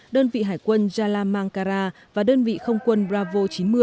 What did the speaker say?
đơn vị hải quân jalamangkara và đơn vị không quân bravo chín mươi